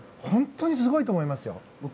本当にすごいと思います。